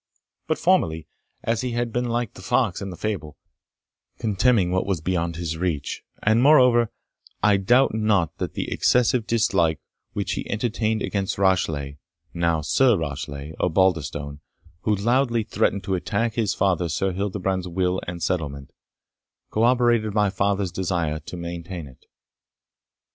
But formerly, he had been like the fox in the fable, contemning what was beyond his reach; and, moreover, I doubt not that the excessive dislike which he entertained against Rashleigh (now Sir Rashleigh) Osbaldistone, who loudly threatened to attack his father Sir Hildebrand's will and settlement, corroborated my father's desire to maintain it.